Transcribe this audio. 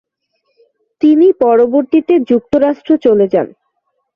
তিনি পরবর্তীতে যুক্তরাষ্ট্র চলে যান।